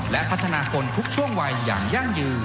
และพัฒนาคนทุกช่วงวัยอย่างยั่งยืน